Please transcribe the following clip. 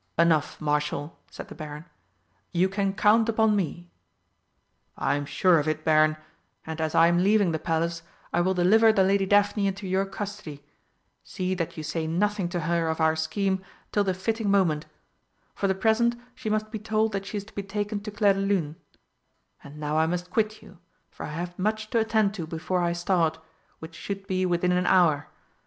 "Enough, Marshal," said the Baron, "you can count upon me." "I am sure of it, Baron, and, as I am leaving the Palace, I will deliver the Lady Daphne into your custody. See that you say nothing to her of our scheme till the fitting moment. For the present she must be told that she is to be taken to Clairdelune. And now I must quit you, for I have much to attend to before I start, which should be within an hour.